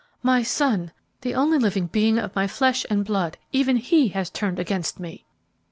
"My son the only living being of my flesh and blood even he has turned against me!"